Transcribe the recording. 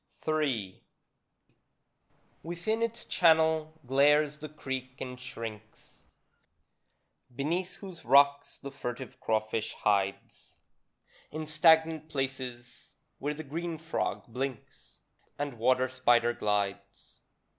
III Within its channel glares the creek and shrinks, Beneath whose rocks the furtive crawfish hides In stagnant places, where the green frog blinks, And water spider glides.